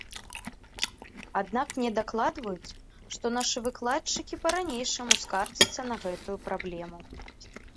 Аднак мне дакладваюць, што нашы выкладчыкі па-ранейшаму скардзяцца на гэтую праблему.